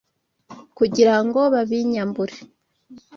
kugira ngo babinyambure